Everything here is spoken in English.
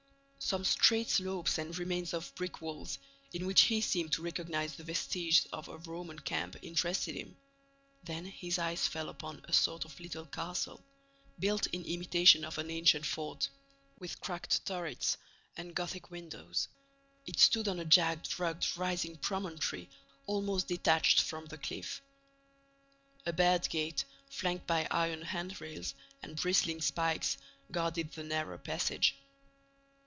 Some straight slopes and remains of brick walls, in which he seemed to recognize the vestiges of a Roman camp, interested him. Then his eyes fell upon a sort of little castle, built in imitation of an ancient fort, with cracked turrets and Gothic windows. It stood on a jagged, rugged, rising promontory, almost detached from the cliff. A barred gate, flanked by iron hand rails and bristling spikes, guarded the narrow passage.